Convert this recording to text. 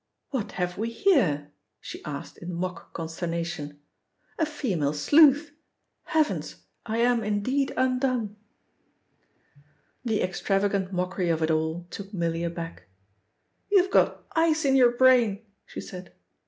"What have we here?" she asked in mock consternation. "A female sleuth! Heavens, I am indeed undone!" The extravagant mockery of it all took Milly aback. "You've got ice in your brain!" she said.